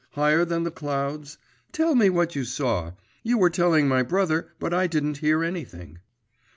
Higher than the clouds? Tell me what you saw. You were telling my brother, but I didn't hear anything.